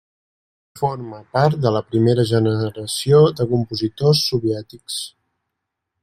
Forma part de la primera generació de compositors soviètics.